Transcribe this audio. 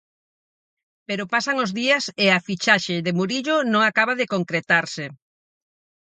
Pero pasan os días e a fichaxe de Murillo non acaba de concretarse.